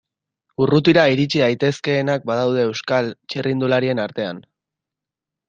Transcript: Urrutira iritsi daitezkeenak badaude Euskal txirrindularien artean.